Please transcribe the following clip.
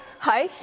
「はい？」。